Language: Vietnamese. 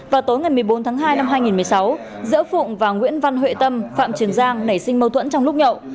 vào tối ngày một mươi bốn tháng hai năm hai nghìn một mươi sáu giữa phụng và nguyễn văn huệ tâm phạm trường giang nảy sinh mâu thuẫn trong lúc nhậu